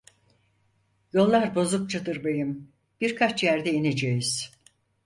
Yollar bozukçadır beyim, birkaç yerde ineceğiz!